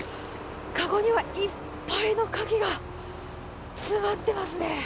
カゴにはいっぱいのカキが詰まってますね！